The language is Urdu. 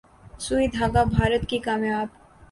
’سوئی دھاگہ‘ بھارت کی کامیاب